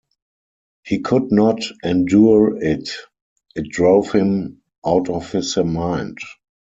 He could not endure it — it drove him out of his mind.